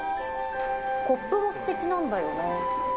コップもすてきなんだよね。